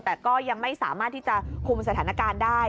แต่ก็ยังไม่สามารถที่จะคุมสถานการณ์ได้